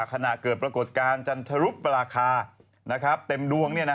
ขณะเกิดปรากฏการณ์จันทรุปราคาเต็มดวง